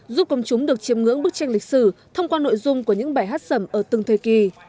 giúp công chúng được chiếm ngưỡng bức tranh lịch sử thông qua nội dung của những bài hát sẩm ở từng thời kỳ